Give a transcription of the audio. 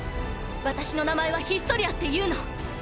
私の名前はヒストリアって言うの。